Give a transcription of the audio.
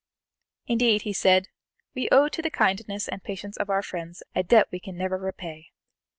"Indeed," he said, "we owe to the kindness and patience of our friends a debt we can never repay.